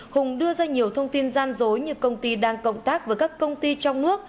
hùng đưa ra nhiều thông tin gian dối như công ty đang cộng tác với các công ty trong nước